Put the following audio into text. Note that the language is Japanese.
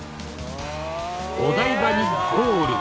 お台場にゴール！